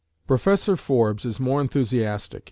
Professor Forbes is more enthusiastic.